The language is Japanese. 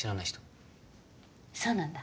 そうなんだ。